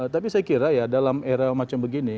tapi saya kira ya dalam era macam begini